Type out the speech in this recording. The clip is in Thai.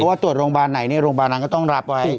เพราะว่าตรวจโรงพยาบาลไหนโรงพยาบาลนั้นก็ต้องรับไว้